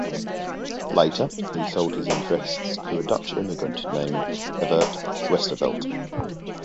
Later he sold his interests to a Dutch immigrant named Evert Westervelt.